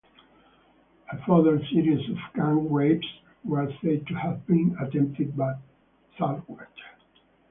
A further series of gang rapes were said to have been attempted but thwarted.